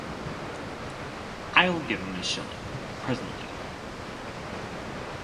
I’ll give him a shilling, presently.